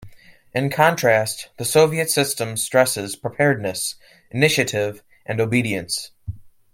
In contrast the Soviet system stresses preparedness, initiative, and obedience.